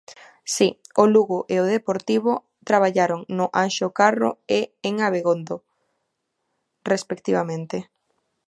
Si, o Lugo e o Deportivo traballaron no Anxo Carro e en Abegondo respectivamente.